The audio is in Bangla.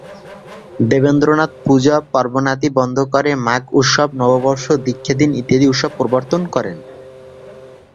দেবেন্দ্রনাথ পূজা-পার্বণাদি বন্ধ করে ‘মাঘ উৎসব’, ‘নববর্ষ’, ‘দীক্ষা দিন’ ইত্যাদি উৎসব প্রবর্তন করেন।